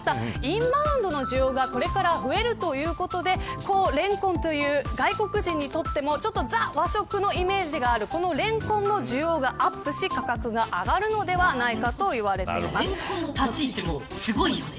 またインバウンドの需要がこれから増えるということでレンコンという外国人にとってもザ・和食のイメージがあるレンコンの需要がアップし価格は上がるのではないかとレンコンの立ち位置すごいよね。